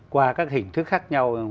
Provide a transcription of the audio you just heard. qua các hình thức khác nhau